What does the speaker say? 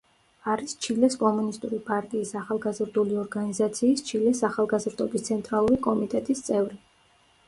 არის ჩილეს კომუნისტური პარტიის ახალგაზრდული ორგანიზაციის ჩილეს ახალგაზრდობის ცენტრალური კომიტეტის წევრი.